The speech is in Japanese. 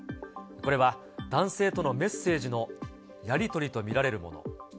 これは、男性とのメッセージのやり取りと見られるもの。